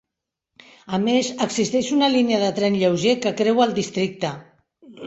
A més, existeix una línia de tren lleuger que creua el districte.